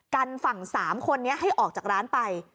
กันฝั่ง๓คนนี้ให้ออกจากร้านไป